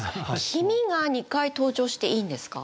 「君」が２回登場していいんですか？